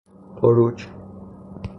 خروج